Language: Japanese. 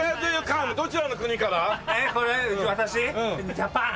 ジャパン。